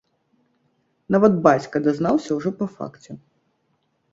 Нават бацька дазнаўся ўжо па факце.